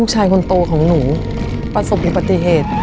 ใจคนโตของหนูประสบบินปัฏิเหตุ